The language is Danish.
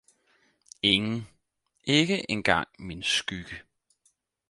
Ingen, ikke engang min skygge!